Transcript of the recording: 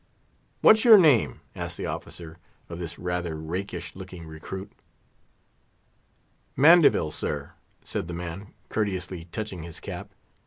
"What's your name?" asked the officer, of this rather rakish looking recruit. "Mandeville, sir," said the man, courteously touching his cap.